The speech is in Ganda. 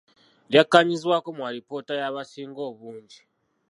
Lyakkaanyizibwako mu alipoota y’abasinga obungi.